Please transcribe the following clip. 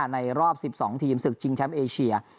๒๓๒๕๑๙๒๕๒๒๒๕ในรอบ๑๒ทีมสุดจริงแชมป์เอเชีย